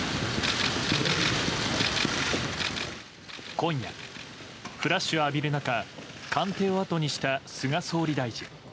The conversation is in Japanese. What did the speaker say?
今夜、フラッシュを浴びる中、官邸を後にした菅総理大臣。